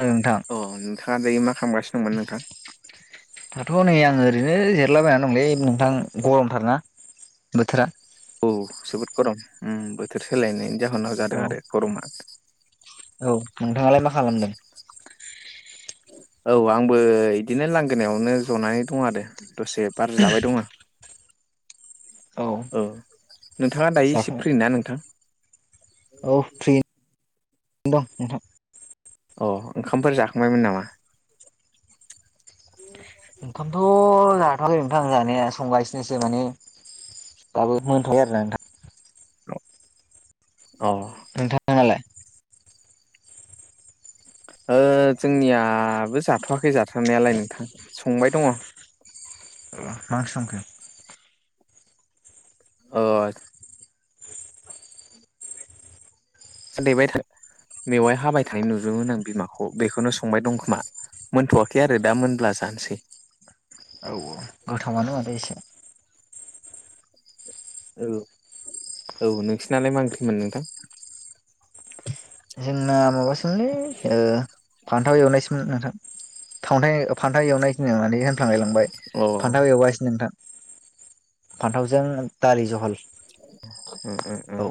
औ नोंथां अ नोंथाङा दायो मा खामगासिनो दंमोन नोंथां दाथ' नै आङो ओरैनो जिरायलाबायना दंलै नोंथां गरमथारना। बोथोरा औ जोबोद गरम बोथोर सोलायनायनि जाहोनाव जादों आरो गरमा औ नोंथाङालाय मा खालामदों। औ आंबो बिदिनो लांगोनायावनो जनानै दं आरो दसे बार जाबाय दंमोन औ नोंथाङा दायो एसे जाखां फ्रि ना नोंथां औ फ्रि दं नोंथां अ ओंखामफोर जाखांबायमोन नामा? ओंखामथ' जाथ'वाखै नोंथांं जानाया संगासिनोसो माने दाबो मोनथ'आखै आर ना नोंथां औ नोंथाङालाय? ओ जोंनियाबो जाथ'वाखै जाथ'नायालाय नोंथां संबाय दङ' मा ओंख्रि संखो ओ देबाय थानाय मेवाय हाबाय थानाय नुदोंमोन आं बिमाखौ बेखौनो संबाय दं खोमा मोनथ'वाखै आरो दा मोनब्ला जानोसै। औ औ गोथावानो माथो एसे औ औ नोंसिनालाय मा ओंख्रिमोन नोंथां जोंना माबासोमोनलै ओ फान्थाव एवनायसोमोन नोंथां। थावथाय फान्थाव एवनायसोनो माने होनफ्लांलायलांबाय अ ओ फान्थाव एवगासिनो नोंथां फान्थावजों दालि जहल उम उम उ औ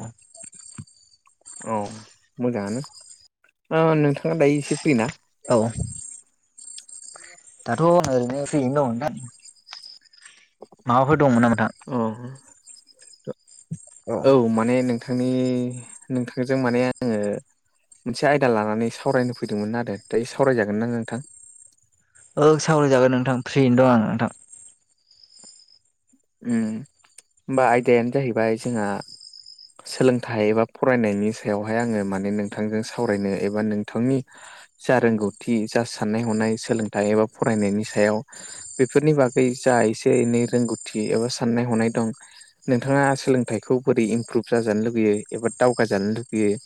औ मोजाङानो ओ नोंथाङा दायो एसे फ्रिना? औ दाथ' आंङो ओरनो फ्रियैनो दंमोन ओंथां। माबाफोर दंमोन नामा नोथां? अ औ माने नों नोंथांनि नोंथांजों माने आङो मोनसे आयदा लानानै सावरायनो फैदोंमोन आरो दायो सावरायजागोन ना नोंथां? ओ सावराय जागोन नोंथां फ्रियैनो दं आं नोंथां। ओ होमबा आयदायानो जाहैबाय जोंहा सोलोंथाइ एबा फरायनायनि सायावहाय आङो माने नोंथांजों सावरायनो एबा नोंथांनि जा रोंगौथि जा साननाय हनाय सोलोंथाइ एबा फरायनायनि सायाव बेफोरनि बागै जा एसे एनै रोंगौथि एबा साननाय हनाय दं। नोंथाङा सोलोंथाइखौ बोरै इमप्रुभ जाजानो लुुबैयो एबा दावगाजानो लुुबैयो?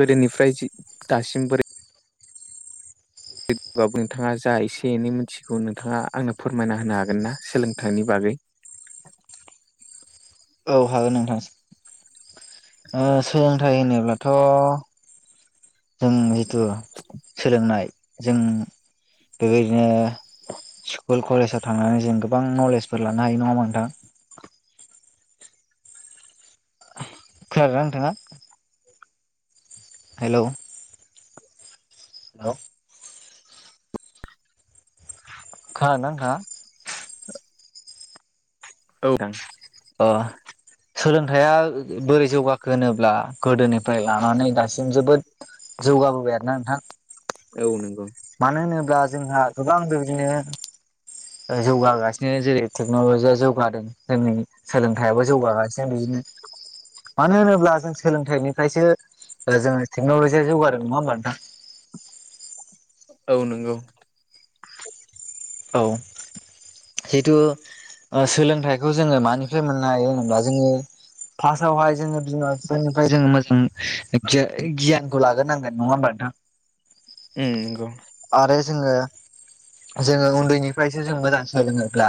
गोदोनिफ्राय जि दासिम बोरै? जबो नोंथाङा जा एसे एनै मिथिगौ नोंथाङा आंनो फोरमायना होनो हागोन ना सोलोंथाइनि बागै? औ हागोन नोंथां ओ सोलोंथाइ होनोब्ला थ' जों जिथु सोलोंनाय जों बेबायदिनो स्कुल कलेजाव थांनानै जों गोबां नलेजफोर लानो हायो नङा नोंथां? खोनादोंना नोंथाङा? हेल'। औ खोनादोंना नोंथाङा? [unintelligible] औ नोंथां। अ सोलोंथाइया बोरै जौगाखो होनोब्ला गोदोनिफ्राय लानानै दासिम जोबोद जौगा बोबाय आरोना। औ नंगौ। मानो होनोब्ला जोंहा गोबां बेबायदिनो जौगागासिनो जेरै टेक्न'लजिया जौगादों दिनै सोलोंथायाइाबो जौगागासिनो बिदिनो। मानो होनोब्ला जों सोलोंथाइनिफ्रायसो जोङो टेक्न'लजिया जौगादों नङा होमबा नोंथां? औ नंगौ। औ जितु ओ सोलोंथाइखौ जोङो मानिफ्राय मोन नों हायो होनोबा जोङो फार्स्टआवहाय जोङो बिमा बिफानिफ्राय जोङो मोजां गियान गियानखौ लाग्रोनांगोन नङा होमबब्ला नोंथां। उम नंगौ आरो जोङो जोङो उन्दैनिफ्रायसो जों मोजां सोलोङोब्ला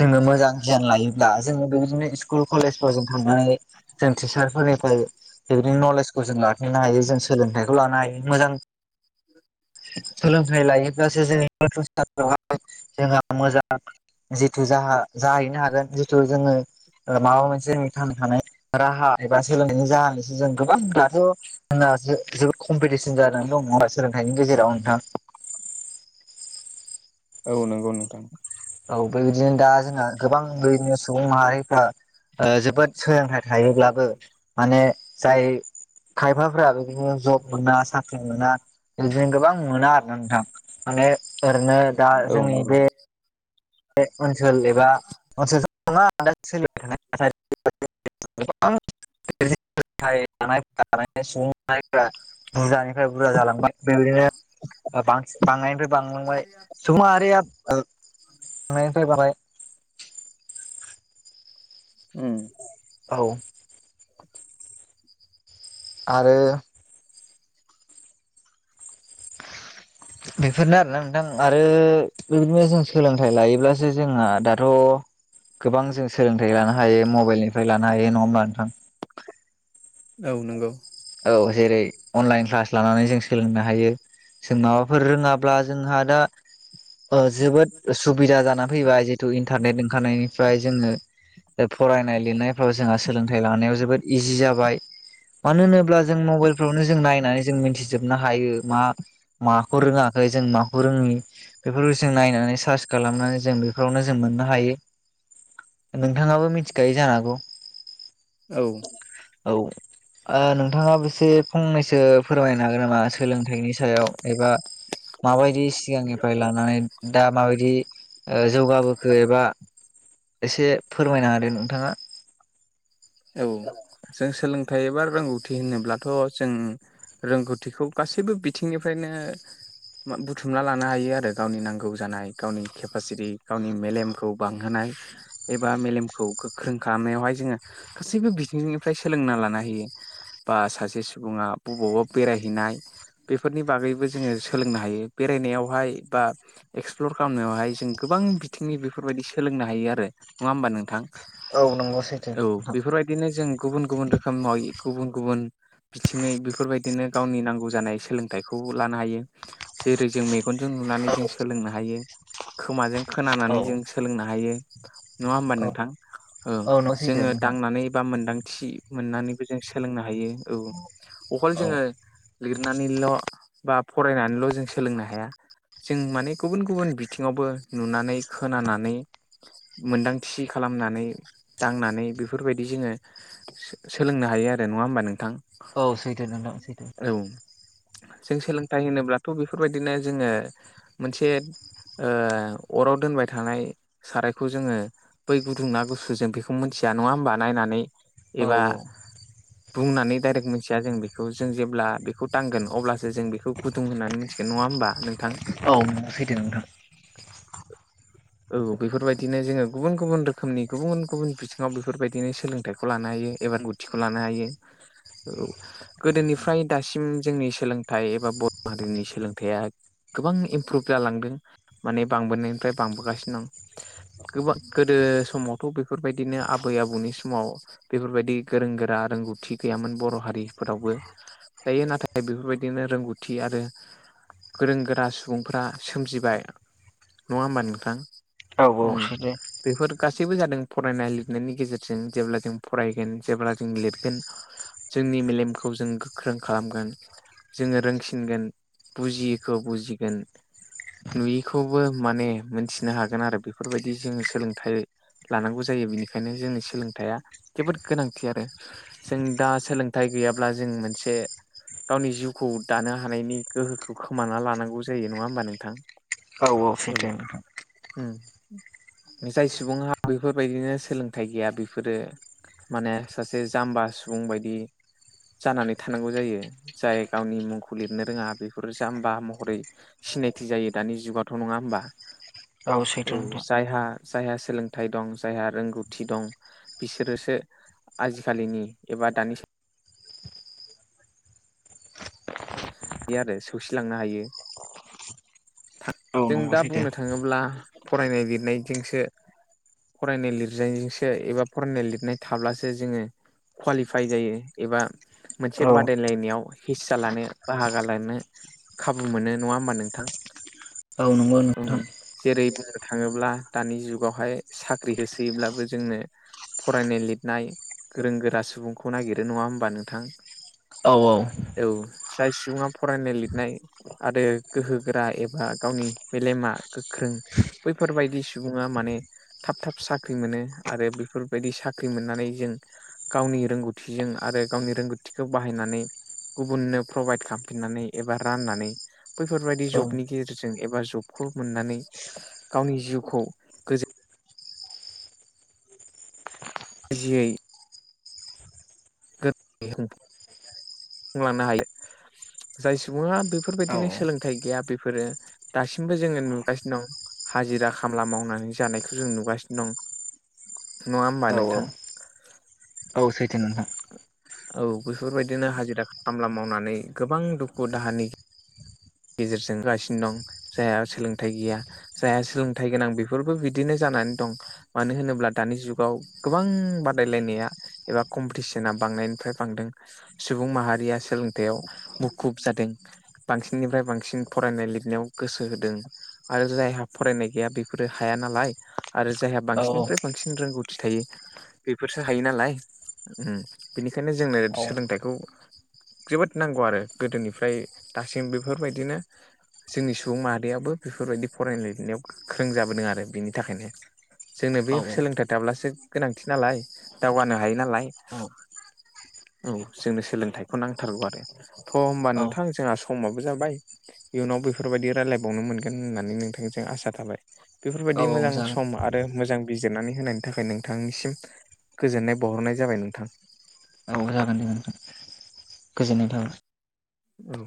जोङो मोजां गियान लायो। दा जोङो बेबायदिनो स्कुल कलेजफोराव जों थांनानै जों टिचार फोरनिफ्राय बेबायदिनो नलेज बोसोन जो लाखिनो हायो जों सोलोंथाइखौ लानो हायो मोजां [inaudible] सोलोंथाइ लायोब्लासो जोंनि पथानफ्रावहाय जोंहा मोजां जिथु जाहा जाहैनो हागोन। जिथु जोङो माबा मोनसे जों थानो थानाय राहा एबा सोलोंनायनि जाह जों गोबां दाथ' जोंना जो-जोबोद कम्पिटिसन जानानै दं नङा होमबा सोलोंथाइनि गेजेराव नोंथां। औ नंगौ नोंथां। औ बेबायदिनो दा जोंहा गोबां बेबायदिनो सुबुं माहारिफ्रा ओ जोबोद सोलोंथाइ थायोब्लाबो माने जाय खायफाफोरा बे दिनो ज'ब मोना साख्रि मोना इदिनो गोबां मोना आरो ना नोंथां। माने ओरैनो दा औ जोंनि नंगौ। बे ओनसोल एबा ओनसोलथ' नङा दा सोलिबाय थानाय [unintelligible] [unintelligible] थाय लानाय [unintelligible] सुबुं माहारिफ्रा बुरजानिफ्राय बुरजा जालांबाय। जों इदिनो ओ बांसिन बांनायनिफ्राय बांलांबाय सुबुं माहारिया ओ [inaudible] बांनायनिफ्राय बांबाय उम औ आरो बेफोरनो आरोना नोंथां आरो बेबायदिनो जों सोलोंथाइ लायोब्ला सो जोंहा दाथ' गोबां जों सोलोंथाइ लानो हायो मबेलनिफ्राय लान नो हायो नङा होमबा नोंथां? औ नंगौ। औ जेरै अनलायन क्लास लानानै जों सोलोंनो हायो। जों माबाफोर रोङाब्ला जोंहा दा ओ जोबोद उसुबिदा जानानै फैबाय जितु इन्टारनेट ओंखारनायनिफ्राय जोङो ओ फरायनाय लिरनायफ्राव जोंहा सोलोंथाइ लानायाव जोबोद इजि जाबाय मानो होनो ब्ला जों मबाइलफ्रावनो जों नायनानै जों मिथिजोबनो हायो मा माखौ रोङाखै जों माखौ रोङि बेफोरखौ जों नायनानै सार्च खालामनानै जों बेफोरावनो जों मोननो हायो। [inaudible] नोंथाङाबो मिथिखायो जानो हागौ। औ औ आ नों थाङाबो एसे फंनैसो फोरमायनो हागोन नामा सोलोंथाइनि सायाव एबा माबायदि सिगांनिफ्राय लानानै दा माबायदि ओ जौगाबोखो एबा एसे फोरमायना होदो नोंथाङा। औ जों सोलोंथाइ एबा रोंगौथि होनोब्लाथ' जों रोंगौथिखौ गासैबो बिथिंनिफ्रायनो मा बुथुमना लानो हायो आरो गावनि नांगौ जानाय गावनि केपासिटि गावनि मेलेमखौ बांहोनाय एबा मेलेमखौ गोख्रों खालामनायावहाय जोङो गासैबो बिथिनिफ्राय सोलोंना लानो हायो। बा सासे सुबुङा बबावबा बेराय हैनाय बेफोरनि बागैबो जोङो सोलोंनो हायो बेरायनायावहाय बा एक्सप्लर खालामनायावहाय जों गोबां बिथिंनि बेफोरबायदि सोलोंनो हायो आरो नङा होमबा नोंथां? औ नंगौ सै औ बेफोरबायदिनो जों गुबुन गुबुन रोखोमय गुबुन गुबुन बिथिङै बेफोरबायदिनो गावनि नांगौ जानाय सोलोंथाइखौ लानो हायो। जेरै मेग गन जों नुनानै जों सोलोंनो हायो। खोमाजों औ खोनानानै जों सोलोंनो हायो। नङा होमबा नोंथां औ नंगौ सैथो जोङो नोंथां दांना नानै बा मोनदांथि मोननानैबो जों सोलोंनो हायो औ अखल औ। जोङो लिरनानैल' बा फरायनानैल' जों सोलोंनो हाया। जों माने गुबुन गुबुन बिथिङावबो नुनानै खोनानानै मोनदांथि खालामनानै दांनानै बेफोरबायदि जोङो सो-सोलोंनो हायो आरो नङा होमबा नोंथां। औ सैथो नोंथां सैथो औ जों सोलोंथाइ होनोब्लाथ' बेफोरबायदिनो जोङो मोनसे ओ अराव दोनबाय थानाय सारायखौ जोङो बै गुदुं ना गुसु जों बेखौ मिथिया नङा होमबा नायनानै औ एबा औ। बुंनानै डाइरेक्ट मोनथिया जों बेखौ जों जेब्ला बेखौ दांगोन अब्लासो जों बेखौ गुदुं होननानै मिथिगोन नङा होमबा नोंथां औ सैथो नोंथां औ बेफोरबायदिनो जोङो गुबुन गुबुन रोखोमनि गुबुन गुबुन बिथिङाव बेफोरबायदिनो सोलोंथाइखौ लानो हायो एबा रोंग थिखौ लानो औ गोदोनिफ्राय दासिम जोंनि सोलोंथाइ एबा बर' हारिनि सोलोंथाइया गोबां इमप्रुभ जालांदों माने बांबोनायनिफ्राय बांबोगासिनो दं। गोबा गोदो समावथ' बेफोरबायदिनो आबै आबौनि समाव बेफोरबायदि गोरों गोरा रोंगौथि गैयामोन बर' हारिफोरावबो दायो नाथाय बेफोरबायदिनो रोंगौथि आरो गोरों गोरा सुबुंफोरा सोमजिबाय नङा होमबा नों थां औ औ ओम सैथो बेफोर गासैबो जादों फरायनाय लिरनायनि गेजेरजों जेब्ला जों फरायगोन जेब्ला जों लिरगोन जोंनि मेलेमखौ जों गोख्रों खालामगोन जोङो रोंसिनगोन बुजियैखौ बुजिगोन नुयिखौबो माने मोनथिनो हागोन आरो बेफोरबायदि जों सोलोंथाइ लानांगौ जायो बिनिखायनो जोंनो सोलोंथाइया जोबोद गोनांथि आरो जों दा सोलोंथाइ गैयाब्ला जों मोनसे गावनि जिउखौ दानो हानायनि गोहोखौ खोमाना लानांगौ जायो नङा होमबा नोंथां औ औ सैथो उम जाय सुबुङा बेफोरबायदिनो सोलोंथाइ गैया बेफोरो माने सासे जाम्बा सुबुं बायदि जानानै थानांगौ जायो जाय गावनि मुंखौ लिरनो रोङा बिफोर जाम्बा महरै सिनायथि जायो दानि जुगावाथ' नङा होमबा सैथो औ नोंथां। जायहा जायहा सोलोंथाइ दं जायहा रोंगौथि दं बिसोरोसो आजिखालिनि एबा दानि आरो सौसिलांनो हायो। था औ जों नंगौ दा सैथो बुंनो थाङोब्ला फरायनाय लिरनायजोंसो फरायनाय लिरनायजोंसो एबा फरायनाय लिरनाय थाब्लासो जोङो कुवालिफाइ जायो। एबा मोनसे औ बादायलायनायाव हिसा लानो बाहागो लानो खाबु मोनो नङा होमबा नोंथां औ नंगौ ओं नोंथां जेरै बुंनो थाङोब्ला दानि जुगावहाय साख्रि होसोयोब्लाबो जोंनो फरायनाय लिरनाय गोरों गोरा सुबुंखौ नागिरो नङा होमबा नोंथां औ औ औ जाय सुबुङा फरायनाय लिरनाय आरो गोहोगोरा ए बा गावनि मेलेमा गोख्रों बैफोरबायदि सुबुङा माने थाब थाब साख्रि मोनो आरो बेफोरबायदि साख्रि मोननानै जों गावनि रोंगौथिजों आरो गावनि रोंगौथिखौ बाहायनानै गुबुननो प्रभाइद खालामफिननानै एबा राननानै बैफोरबायदि औ जब जब नि गेजेरजों एबा जबखौ मोननानै गावनि जिउखौ इजियै [unintelligible] लांनो हायो जाय सुबुङा औ बेफोरबायदिनो सोलोंथाइ गैया बेफोरो दासिमबो जोङो नुगासिनो दं हाजिरा खामला मावनानै जानायखौ जों नुगासिनो दं नङा होनबा औ। औ औ। नोंथां। औ सैथो नोंथां औ बेफोरबायदिनो हाजिरा खामला मावनानै गोबां दुखु दाहानि गेजेरजों गासिनो दं जायहा सोलोंथाइ गैया जायाहा सोलोंथाइ गोनां बेफोरबो बिदिनो जानानै दं। मानो होनोब्ला दानि जुगाव गोबां बादायलायनाया एबा कम्पिटिसना बांनायनिफ्राय बांदों सुबुं माहारिया सोलोंथायाव मुखुब जादों। बांनिफ्राय बांसिन फरायनाय लिरनायाव गोसो होदों। आरो जायहा फरायनाय गैया बेफोरो हाया नालाय आरो जायहा औ बांसिननिफ्राय बांसिन रोंगौ थि थायो बेफोरसो हायो नालाय उम बेनिखायनो जोंनो औ सोलोंथाइखौ जोबोद नांगौ आरो गोदोनिफ्राय दासिम बेफोरबायदिनो जोंनि सुबुं माहारियाबो बेफोरबायदि फरायनाय लिरनायाव गोख्रों जाबोदों आरो बेनि थाखायनो जोंनो बे औ सोलोंथाइ थाब्लासो गोनांथि नालाय दावगानो हायो नालाय औ जोंनो सोलोंथाइखौ नांथारगौ आरो थ' होनबा औ नोंथां जोंहा समा बो जाबाय इयुनाव बेफोरबायदि रायलायबावनो मोनगोन होननानै नोंथांजों आसा थाबाय। बेफोरबायदि मोजां जागोन। समा आरो मोजां बिजिरनानै होनायनि थाखाय नोंथांनिसिम गोजोननाय बहरनाय जाबाय नोंथां। औ जागोन दे नोंथां। गोजोननाय थाबाय। औ